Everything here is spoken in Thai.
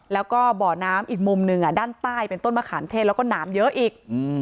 แล้วก็บ่อน้ำอีกมุมหนึ่งด้านใต้เป็นต้นมะขามเทศแล้วก็หนามเยอะอีก